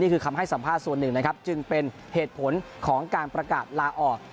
คำให้สัมภาษณ์ส่วนหนึ่งนะครับจึงเป็นเหตุผลของการประกาศลาออก